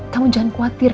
kamu jangan khawatir